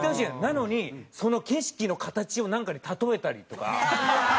なのにその景色の形をなんかに例えたりとか。